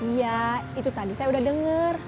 iya itu tadi saya udah dengar